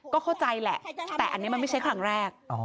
ก็เข้าใจแหละแต่อันนี้มันไม่ใช่ครั้งแรก